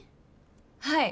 はい。